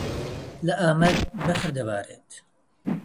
لە ئامەد بەفر دەبارێت.